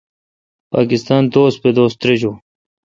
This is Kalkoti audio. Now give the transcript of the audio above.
پاکستان دوس پہ دوس ترجون۔